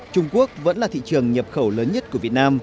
trung quốc vẫn là thị trường nhập khẩu lớn nhất của việt nam